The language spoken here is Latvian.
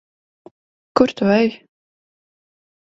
Kur tu ej?